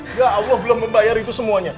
enggak allah belum membayar itu semuanya